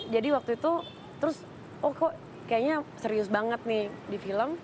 jadi waktu itu terus kayaknya serius banget nih di film